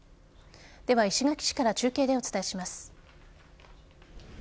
では、石垣市から中継でお伝えします。